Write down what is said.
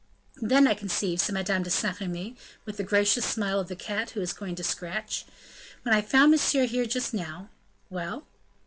"Then, I conceive," said Madame de Saint Remy, with the gracious smile of the cat who is going to scratch, "when I found monsieur here just now " "Well?"